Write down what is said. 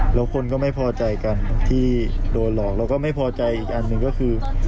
แล้วคนก็ไม่พอใจกันที่โดนหลอกเราก็ไม่พอใจอีกอันหนึ่งก็คือ